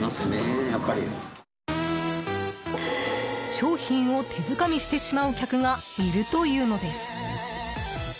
商品を手づかみしてしまう客がいるというのです。